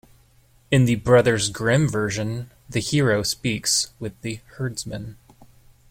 In the Brothers Grimm version, the hero speaks with the herdsman.